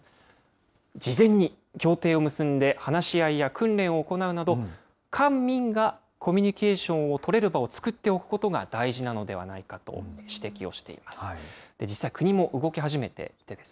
事前に協定を結んで、話し合いや訓練を行うなど、官民がコミュニケーションを取れる場を作っておくことが大事なのではないかと指摘をしています。